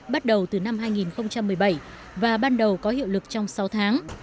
bắt đầu từ năm hai nghìn một mươi bảy và ban đầu có hiệu lực trong sáu tháng